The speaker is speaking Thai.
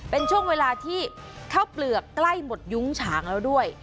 เป็นช่วงเวลาที่ข้าวเปลือกใกล้หมดยุ้งฉางแล้วด้วย